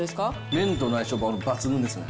麺との相性、抜群ですね。